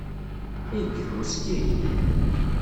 Ay yehhuski!